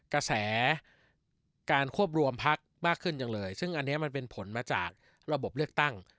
กระแสการควบรวมพักมากขึ้นจังเลยซึ่งอันนี้มันเป็นผลมาจากระบบเลือกตั้ง